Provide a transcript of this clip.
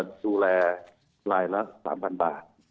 ดูแลรายละ๓๐๐๐บาท